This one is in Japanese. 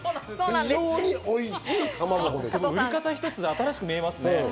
言い方一つで新しく見えますね。